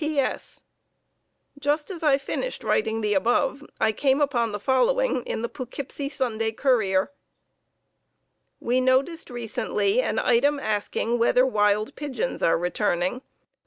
P. S. Just as I finished the above, I came upon the following in the Poughkeepsie Sunday Courier: "We noticed recently an item asking whether wild pigeons are returning.